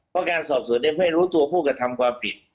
เพราะการสอบสู่ได้เพื่อให้รู้ตัวผู้กระทำความผิด